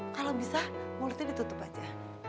kalau bisa multi ditutup aja